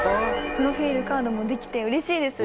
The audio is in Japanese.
プロフィールカードも出来てうれしいです。